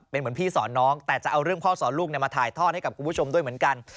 เป็นเหมือนพี่สอนน้องแต่จะเอาเรื่องพ่อสอนลูกมาถ่ายทอดให้กับคุณผู้ชมด้วยเหมือนกัน